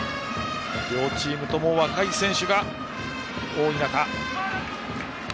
両チームとも若い選手が多い中。